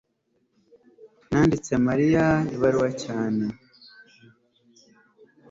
nanditse mariya ibaruwa cyane